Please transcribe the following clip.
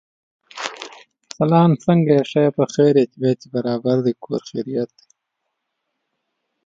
Flooding from the storm extended southward into Swaziland and South Africa.